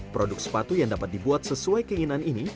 produk sepatu yang dapat dibuat sesuai keinginan ini